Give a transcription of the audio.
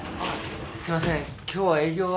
すいません今日は営業は。